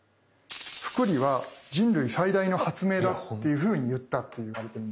「複利は人類最大の発明だ」っていうふうに言ったって言われてるんですよね。